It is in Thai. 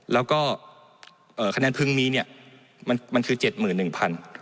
และคะแนนพึงมีการเลือกตั้งคือ๗๑๐๐๐คันนี้